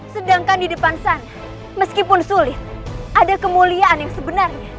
sedangkan di depan sana meskipun sulit ada kemuliaan yang sebenarnya